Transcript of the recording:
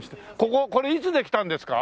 こここれいつできたんですか？